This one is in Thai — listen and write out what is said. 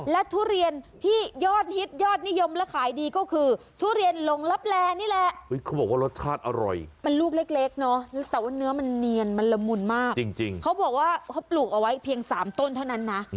และทุเรียนที่ยอดฮิตยอดนิยมและขายดีก็คือทุเรียนลงลับแลนี่แหละ